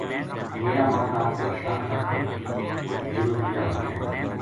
میرا ماں باپ پرشان تھا کہ میرو بیاہ ہو جائے